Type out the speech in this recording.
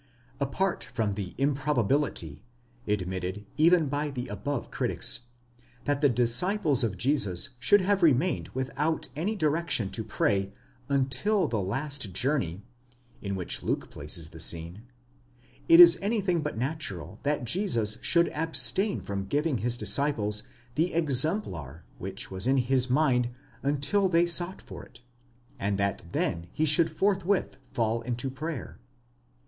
Apart from the improbability, admitted even by the above critics, that the disciples of Jesus should have remained without any direction to pray until the last journey, in which Luke places the scene ; it is anything but natural that Jesus should abstain from giving his disciples the exemplar which was in his mind until they sought for it, and that then he should forth with fall into prayer.